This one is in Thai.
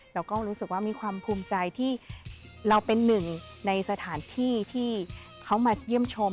เราก็รู้สึกว่ามีความภูมิใจที่เราเป็นหนึ่งในสถานที่ที่เขามาเยี่ยมชม